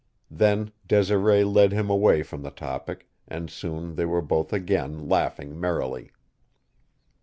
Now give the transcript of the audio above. Then Desiree led him away from the topic, and soon they were both again laughing merrily.